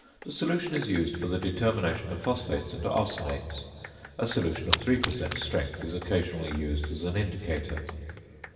The solution is used for the determination of phosphates and arsenates. A solution of 3 per cent. strength is occasionally used as an indicator.